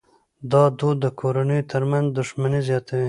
دا دود د کورنیو ترمنځ دښمني زیاتوي.